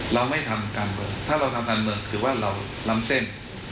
เราไม่ทำการเมืองถ้าเราทำการเมืองคือว่าเราล้ำเส้น